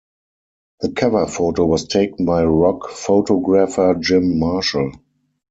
The cover photo was taken by rock photographer Jim Marshall.